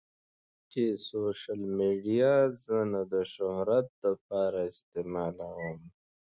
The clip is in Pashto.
چې سوشل ميډيا زۀ نۀ د شهرت د پاره استعمالووم